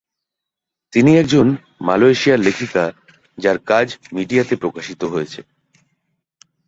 তিনি একজন মালয়েশিয়ার লেখিকা, যার কাজ মিডিয়াতে প্রকাশিত হয়েছে।